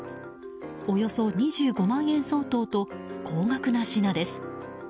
およそ２５万円相当と高額な品です。